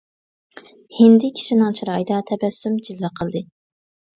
ھىندى كىشىنىڭ چىرايىدا تەبەسسۇم جىلۋە قىلدى.